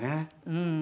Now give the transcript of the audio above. うん。